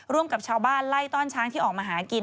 กับชาวบ้านไล่ต้อนช้างที่ออกมาหากิน